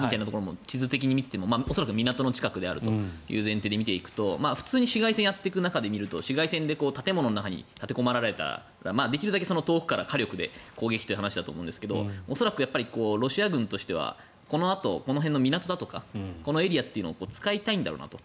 地図的に見ていても恐らく港の近くであるという前提で見ていくと、普通に市街戦をやっていく中で見ると市街戦で建物の中に立てこもられたらできるだけ遠くから火力で攻撃という話だと思うんですけど恐らく、ロシア軍としてはこのあと、この辺の港だとかこのエリアというのを使いたいんだろうなと。